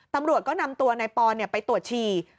ตำรวจก็นำกลัวไปตรวจชี่